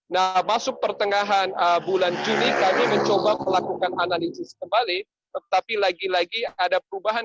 nah masuk pertengahan bulan juni kami mencoba melakukan analisis kembali tetapi lagi lagi ada perubahan